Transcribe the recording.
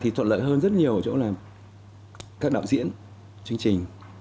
thì thuận lợi hơn rất nhiều ở chỗ là các đạo diễn chương trình